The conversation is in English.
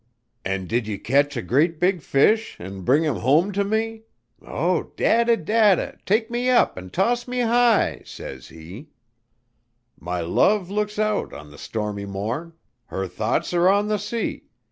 "'And did you ketch a great big fish And bring him home to me? O dadda, dadda, take me up And toss me high!' says he. "My love looks out on the stormy morn, Her thoughts are on the sea.